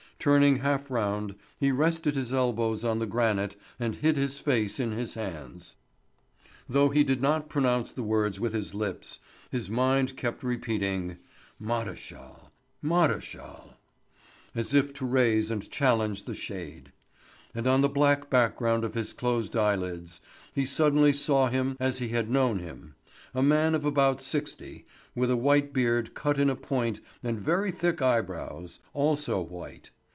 Turning half round, he rested his elbows on the granite and hid his face in his hands. Though he did not pronounce the words with his lips, his mind kept repeating: "Maréchal—Maréchal," as if to raise and challenge the shade. And on the black background of his closed eyelids, he suddenly saw him as he had known him: a man of about sixty, with a white beard cut in a point and very thick eyebrows, also white.